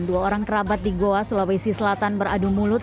dua orang kerabat di goa sulawesi selatan beradu mulut